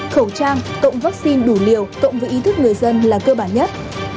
khẩu trang cộng vaccine đủ liều cộng với ý thức người dân là cơ bản nhất